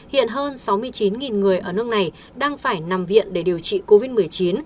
hiện hơn sáu mươi chín người ở nước này đang phải nằm viện để điều trị covid một mươi chín